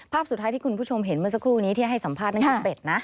ภาพสุดท้ายที่คุณผู้ชมเห็นเมื่อสักครู่นี้ที่ให้สัมภาษณ์นั่นคือเป็ดนะ